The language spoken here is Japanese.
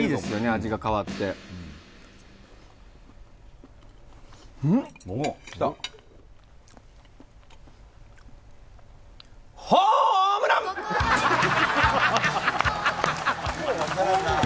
味が変わってうん！